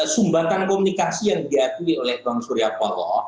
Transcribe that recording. sumbatan komunikasi yang diakui oleh bang surya paloh